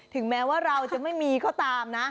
ถึงแม้ว่าเราจะไม่มีก็ตามนะ